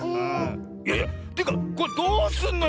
いやいやというかこれどうすんのよ